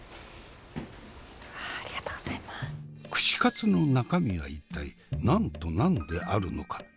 串カツの中身は一体何と何であるのか？